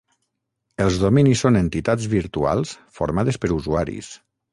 Els dominis són entitats virtuals formades per usuaris.